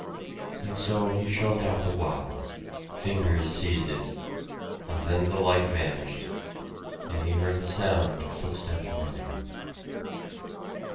And so he shoved out the wad. Fingers seized it; and then the light vanished, and he heard the sound of footsteps running.